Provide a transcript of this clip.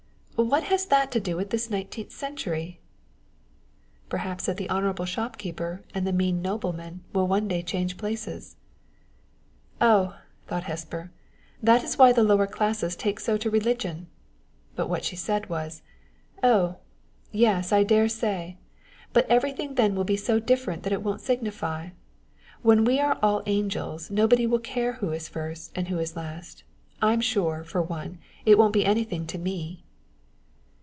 "What has that to do with this nineteenth century?" "Perhaps that the honorable shopkeeper and the mean nobleman will one day change places." "Oh," thought Hesper, "that is why the lower classes take so to religion!" But what she said was: "Oh, yes, I dare say! But everything then will be so different that it won't signify. When we are all angels, nobody will care who is first, and who is last. I'm sure, for one, it won't be anything to me."